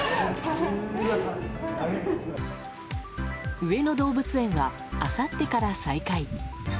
上野動物園はあさってから再開。